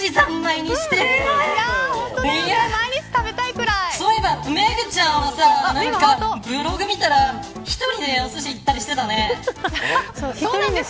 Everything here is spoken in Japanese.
毎日食べたメグちゃんは何かブログ見たら１人でおすしに行ったりしてたね。